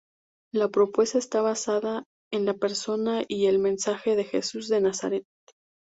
La propuesta está basada en la persona y el mensaje de Jesús de Nazaret.